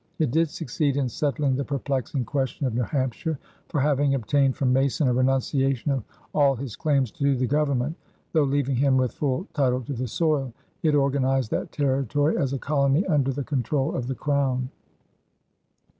It did succeed in settling the perplexing question of New Hampshire, for, having obtained from Mason a renunciation of all his claims to the Government, though leaving him with full title to the soil, it organized that territory as a colony under the control of the Crown.